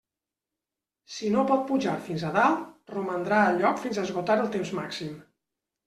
Si no pot pujar fins a dalt, romandrà al lloc fins a esgotar el temps màxim.